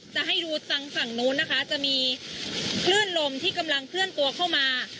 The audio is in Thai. จะให้ดูทางฝั่งนู้นนะคะจะมีคลื่นลมที่กำลังเคลื่อนตัวเข้ามา